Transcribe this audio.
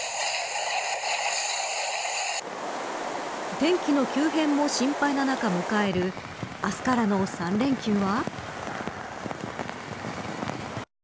天気の急変も心配な中迎える明日からの３連休は。